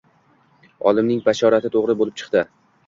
Olimning bashorati to`g`ri bo`lib chiqdi